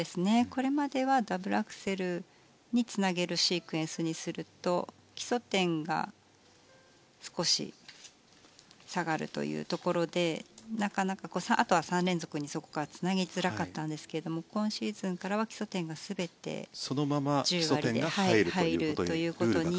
これまではダブルアクセルにつなげるシークエンスにすると基礎点が少し下がるというところでなかなかあとは３連続にそこからつなげづらかったんですが今シーズンからは基礎点が全て１０割で入るということに。